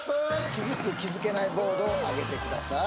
気づく気づけないボードをあげてください